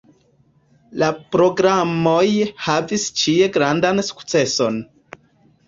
La programoj havis ĉie grandan sukceson.